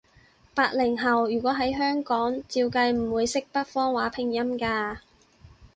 八零後，如果喺香港，照計唔會識北方話拼音㗎